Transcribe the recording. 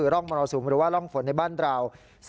ร่องมรสุมหรือว่าร่องฝนในบ้านเรา